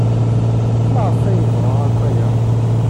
Maɣef ay yebɣa akk aya?